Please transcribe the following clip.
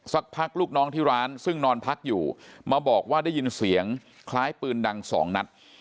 สักพักลูกน้องที่ร้านซึ่งนอนพักอยู่มาบอกว่าได้ยินเสียงคล้ายปืนดังสองนัด